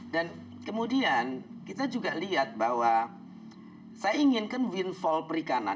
dan kemudian kita juga lihat bahwa saya inginkan windfall perikanan